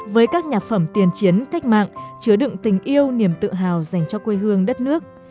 với các nhạc phẩm tiền chiến cách mạng chứa đựng tình yêu niềm tự hào dành cho quê hương đất nước